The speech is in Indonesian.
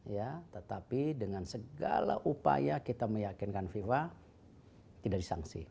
ya tetapi dengan segala upaya kita meyakinkan fifa tidak disangsi